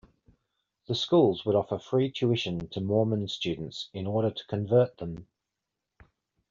The schools would offer free tuition to Mormon students in order to convert them.